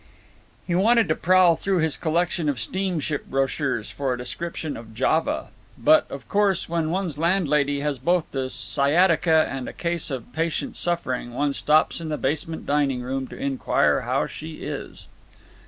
He wanted to prowl through his collection of steamship brochures for a description of Java. But, of course, when one's landlady has both the sciatica and a case of Patient Suffering one stops in the basement dining room to inquire how she is.